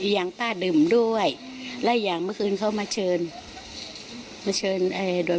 อย่างป้าดื่มด้วยและอย่างเมื่อคืนเขามาเชิญมาเชิญเอ่อโดย